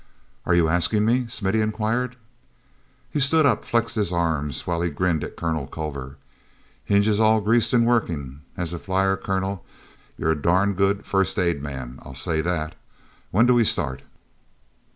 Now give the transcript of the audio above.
"Are you asking me?" Smithy inquired. He stood up, flexed his arms, while he grinned at Colonel Culver. "Hinges all greased and working! As a flier, Colonel, you're a darn good first aid man. I'll say that! When do we start?"